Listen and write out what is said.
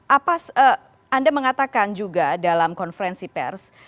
apa anda mengatakan juga dalam konferensi pers